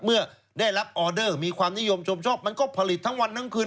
เมื่อได้รับออเดอร์มีความนิยมชมชอบมันก็ผลิตทั้งวันทั้งคืน